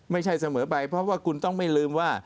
ไม่ใช่เสมอไปเพราะว่าคุณต้องไม่ลืมว่า